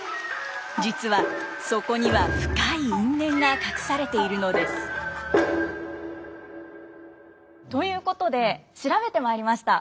実はそこには深い因縁が隠されているのです。ということで調べてまいりました。